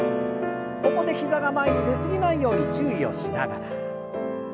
ここで膝が前に出過ぎないように注意をしながら。